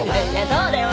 そうだよ。